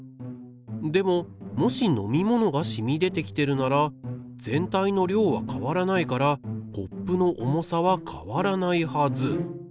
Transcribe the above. でももし飲み物がしみ出てきてるなら全体の量は変わらないからコップの重さは変わらないはず。